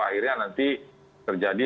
akhirnya nanti terjadi